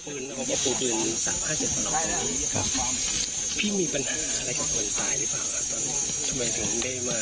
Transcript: พี่มีปัญหาอะไรกับคนตายหรือเปล่าครับตอนนี้ทำไมถึงได้มา